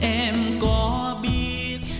em có biết